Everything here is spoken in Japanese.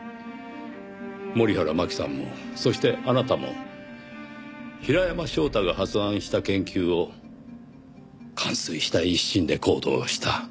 森原真希さんもそしてあなたも平山翔太が発案した研究を完遂したい一心で行動した。